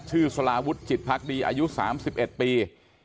ชื่อสลาวุทธ์จิตพักดีอายุ๓๑ปี